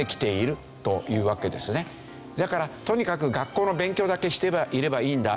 だからとにかく学校の勉強だけしていればいいんだ。